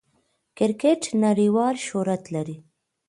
کرکټ نړۍوال شهرت لري.